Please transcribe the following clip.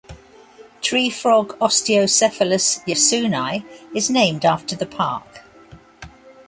Treefrog "Osteocephalus yasuni" is named after the park.